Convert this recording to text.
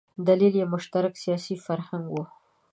دلیل یې مشترک سیاسي فرهنګ و.